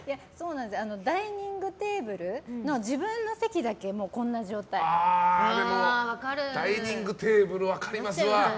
ダイニングテーブルの自分の席だけダイニングテーブルは分かりますわ。